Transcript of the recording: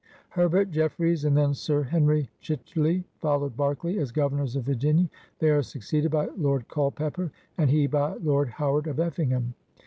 Herbert JeflFreys and then Sir Henry Chicheley follow Berkeley as Governors of Virginia; they are succeeded by Lord Culpeper and he by Lord How ard of Effingham.